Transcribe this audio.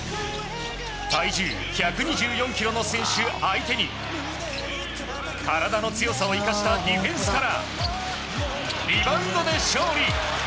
体重１２４ｋｇの選手相手に体の強さを生かしたディフェンスからリバウンドで勝利。